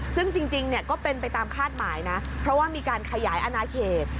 ซึ่งจริงก็เป็นไปตามคาดหมายนะเพราะว่ามีการขยายอนาเขต